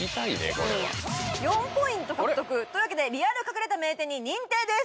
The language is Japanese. これは４ポイント獲得というわけでリアル隠れた名店に認定です！